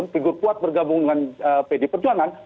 figur kuat bergabung dengan pd perjuangan